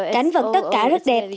cảnh vật tất cả rất đẹp